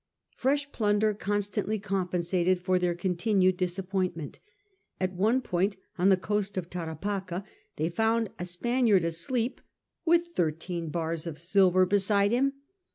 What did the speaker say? Fresh plunder constantly compensated for their continued disappointment. At one point on the coast of Tarapaca they found a Spaniard asleep with thirteen bars of silver beside him.